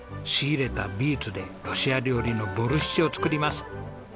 仕入れたビーツでロシア料理のボルシチを作ります。